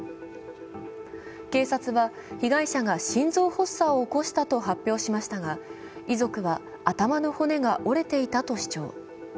警察は被害者が心臓発作を起こしたとしていますが遺族は、頭の骨が折れていたと主張。